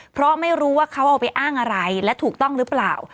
เพราะไม่รู้ว่าเขาเอาไปอ้างอะไรและถูกต้องหรือเปล่า